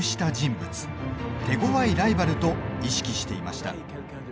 手強いライバルと意識していました。